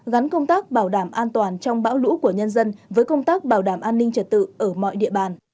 gắn công tác bảo đảm an toàn trong bão lũ của nhân dân với công tác bảo đảm an ninh trật tự ở mọi địa bàn